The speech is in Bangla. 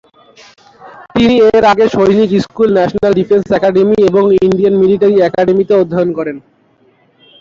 তিনি এর আগে সৈনিক স্কুল, ন্যাশনাল ডিফেন্স একাডেমী এবং ইন্ডিয়ান মিলিটারি একাডেমীতে অধ্যয়ন করেন।